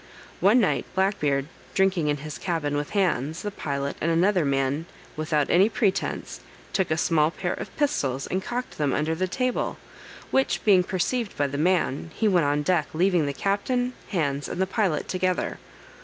One night Black Beard, drinking in his cabin with Hands, the pilot, and another man, without any pretence, took a small pair of pistols, and cocked them under the table; which being perceived by the man, he went on deck, leaving the captain, Hands, and the pilot together.